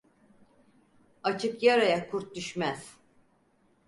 Açık yaraya kurt düşmez.